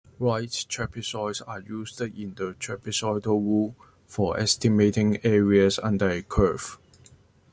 Right trapezoids are used in the trapezoidal rule for estimating areas under a curve.